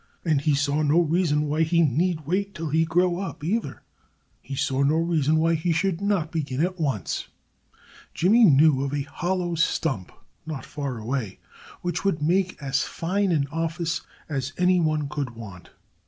And he saw no reason why he need wait till he grew up, either. He saw no reason why he should not begin at once. Jimmy knew of a hollow stump not far away which would make as fine an office as anyone could want.